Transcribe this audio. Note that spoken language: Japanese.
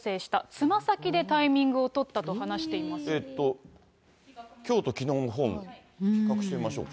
つま先でタイミングを取ったと話えっと、きょうときのうのフォーム、比較してみましょうか。